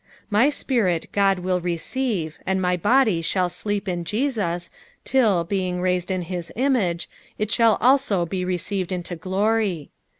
Iffy spirit God will receive, and my body shall Bleep in Jesus till, being raised in his image, it shall also be received into glory.